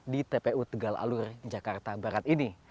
di tpu tegal alur jakarta barat ini